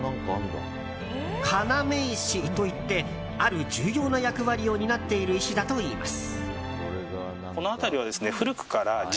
要石といって、ある重要な役割を担っている石だといいます。